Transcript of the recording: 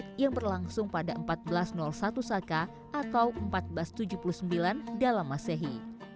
yang berlangsung pada seribu empat ratus satu saka atau seribu empat ratus tujuh puluh sembilan dalam masehi